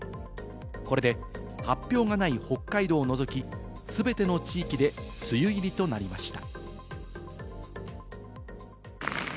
これで発表がない北海道を除き、全ての地域で梅雨入りとなりました。